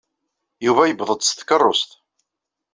Yuba yewweḍ-d s tkeṛṛust.